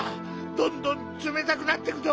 どんどんつめたくなってくぞ。